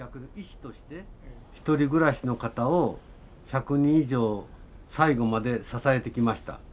ひとり暮らしの方を１００人以上最期まで支えてきました。